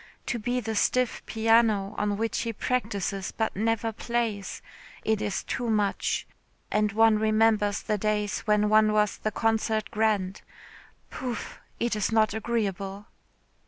To be the stiff piano on which he practises but never plays. It is too much. And one remembers the days when one was the concert grand. Pouf. It is not agreeable."